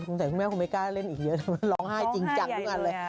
สงสัยคุณแม่คงไม่กล้าเล่นอีกเยอะร้องไห้จริงจับทุกอย่างเลย